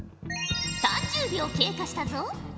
３０秒経過したぞ！